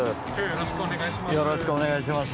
よろしくお願いします。